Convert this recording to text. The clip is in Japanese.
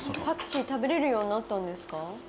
パクチー食べれるようになったんですか？